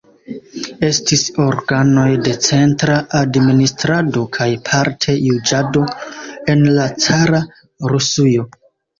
Estis organoj de centra administrado kaj parte juĝado en la cara Rusujo.